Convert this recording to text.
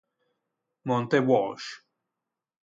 Monte Walsh